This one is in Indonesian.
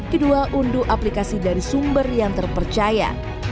kedua unduh aplikasi dari sumber yang terpercaya